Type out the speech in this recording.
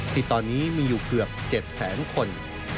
ที่ตอนนี้มีอยู่เกือบ๗แสนคน